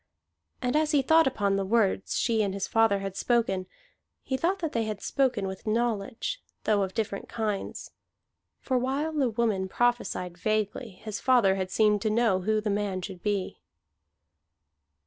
And as he thought upon the words she and his father had spoken, he thought that they had spoken with knowledge, though of different kinds: for while the woman prophesied vaguely, his father had seemed to know who the man should be.